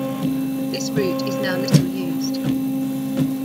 This route is now little used.